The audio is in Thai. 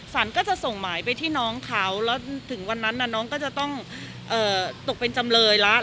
ก็จะส่งหมายไปที่น้องเขาแล้วถึงวันนั้นน้องก็จะต้องตกเป็นจำเลยละ